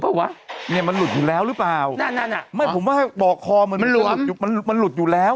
น่ะดูทีมันอาจจะเกี่ยวปะวะนี่มันหลุดอยู่แล้วหรือเปล่านั่นน่ะไม่ผมว่าให้บอกคอมันหลุดอยู่แล้วมันหลวมมันหลุดอยู่แล้ว